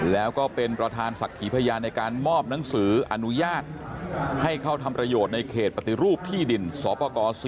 แล้วก็เป็นประธานศักดิ์ขีพยานในการมอบหนังสืออนุญาตให้เข้าทำประโยชน์ในเขตปฏิรูปที่ดินสปก๔